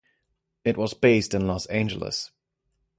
It was based in Los Angeles.